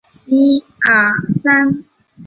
甲午战争后台湾割让予大日本帝国。